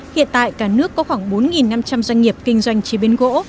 hiện tại cả nước có khoảng bốn năm trăm linh doanh nghiệp kinh doanh chế biến gỗ